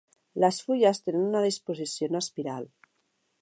Les fulles tenen una disposició en espiral.